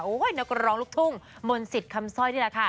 นักร้องลูกทุ่งมนต์สิทธิ์คำสร้อยนี่แหละค่ะ